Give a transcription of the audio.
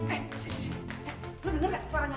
eh si si si lo denger gak suaranya